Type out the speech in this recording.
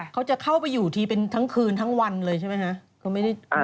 เขาจะเข้าไปอยู่ทีเป็นทั้งคืนทั้งวันเลยใช่ไหมคะ